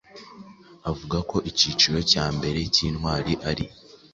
avuga ko ikiciro cya mbere k’Intwari ari